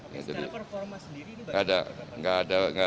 oke secara performa sendiri ini bagaimana